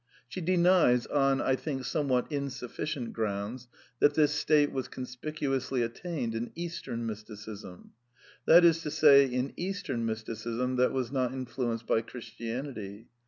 (Afj/s^tctsm^ p. 620.) She denies on, I think, somewhat insufficient grounds, that this state was conspicuously attained in Eastern Mysticism. That is to say, in Eastern Mysticism that was not influenced by Christianity.